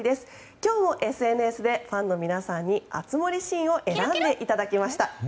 今日もＳＮＳでファンの皆さんに熱盛シーンを選んでいただきました。